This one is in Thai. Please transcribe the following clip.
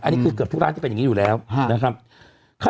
อันนี้คือเกือบทุกร้านที่เป็นอย่างนี้อยู่แล้วนะครับ